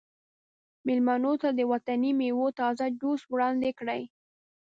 میلمنو ته د وطني میوو تازه جوس وړاندې کړئ